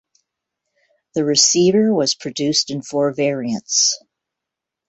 The receiver was produced in four variants.